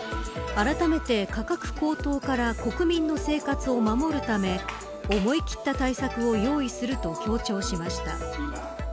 あらためて価格高騰から国民の生活を守るため思い切った対策を用意すると強調しました。